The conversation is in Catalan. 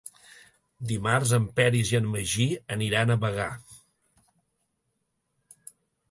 Dimarts en Peris i en Magí aniran a Bagà.